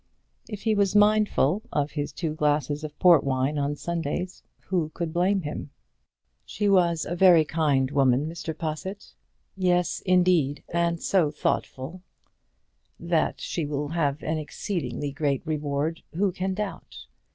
If he was mindful of his two glasses of port wine on Sundays, who could blame him? "She was a very kind woman, Mr. Possitt." "Yes, indeed; and so thoughtful! That she will have an exceeding great reward, who can doubt?